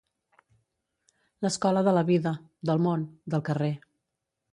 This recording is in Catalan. L'escola de la vida, del món, del carrer.